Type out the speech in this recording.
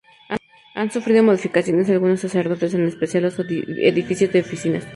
Han sufrido modificaciones algunos sectores, en especial los edificios de oficinas.